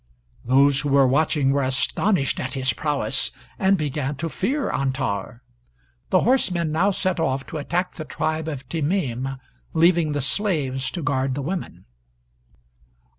[Those who were watching were astonished at his prowess, and began to fear Antar. The horsemen now set off to attack the tribe of Temeem, leaving the slaves to guard the women.